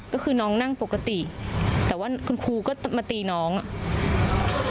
ก็คือน้องนั่งปกติแต่ว่าคุณครูก็มาตีน้องอ่ะ